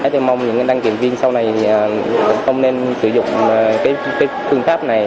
tôi mong những đăng kiểm viên sau này không nên sử dụng phương pháp này